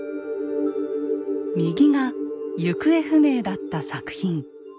右が行方不明だった作品。